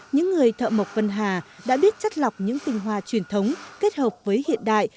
những người thợ mộc vân hà đã biết chất lọc những tinh hoa truyền thống kết hợp với hiện đại